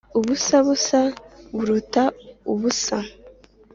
Ubusabusa buruta ubusa